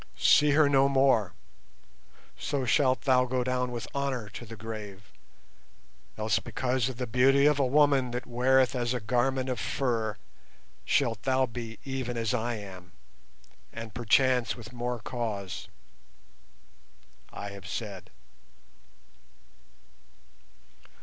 See her no more, so shalt thou go down with honour to the grave. Else because of the beauty of a woman that weareth as a garment of fur shalt thou be even as I am, and perchance with more cause. I have said."